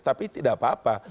tapi tidak apa apa